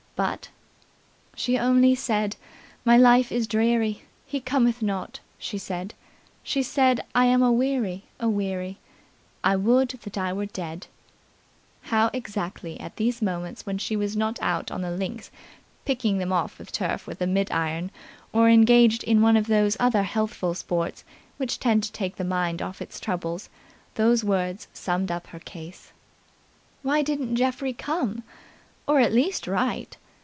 But "She only said 'My life is dreary, He cometh not,' she said. She said 'I am aweary, aweary. I would that I were dead!" How exactly at these moments when she was not out on the links picking them off the turf with a midiron or engaged in one of those other healthful sports which tend to take the mind off its troubles those words summed up her case. Why didn't Geoffrey come? Or at least write?